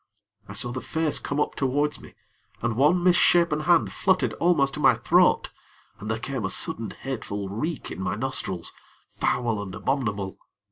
I saw the face come up towards me, and one misshapen hand fluttered almost to my throat, and there came a sudden, hateful reek in my nostrils foul and abominable.